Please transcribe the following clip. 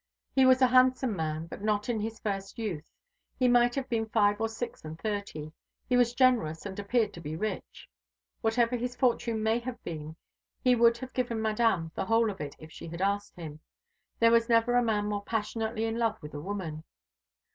He was a handsome man, but not in his first youth. He might have been five or six and thirty. He was generous, and appeared to be rich. Whatever his fortune may have been, he would have given Madame the whole of it if she had asked him. There was never a man more passionately in love with a woman.